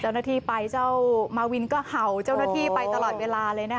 เจ้าหน้าที่ไปเจ้ามาวินก็เห่าเจ้าหน้าที่ไปตลอดเวลาเลยนะคะ